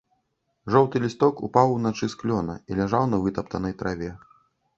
Жоўты лісток упаў уначы з клёна і ляжаў на вытаптанай траве.